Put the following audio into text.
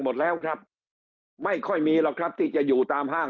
หมดแล้วกลับไม่ค่อยมีรักฤทธิ์จะอยู่ตามห้าง